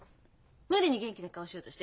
無理に元気な顔しようとしてる。